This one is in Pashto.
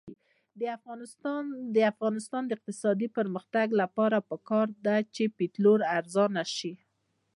د افغانستان د اقتصادي پرمختګ لپاره پکار ده چې پټرول ارزانه شي.